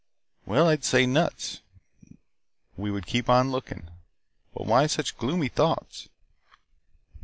"Well, I'd say 'Nuts.' We would keep on looking. But why such gloomy thoughts?"